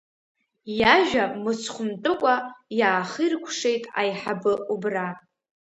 Иажәа мыцхәмтәыкәа, иаахиркәшеит аиҳабы убра.